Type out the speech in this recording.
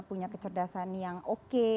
punya kecerdasan yang oke